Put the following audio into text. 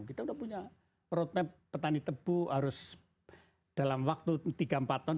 kita sudah punya roadmap petani tebu harus dalam waktu tiga empat tahun